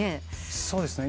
そうですね。